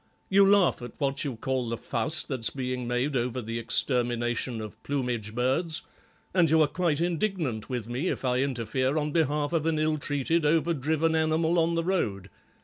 You laugh at what you call the fuss that's being made over the extermination of plumage birds, and you are quite indignant with me if I interfere on behalf of an ill treated, over driven animal on the road.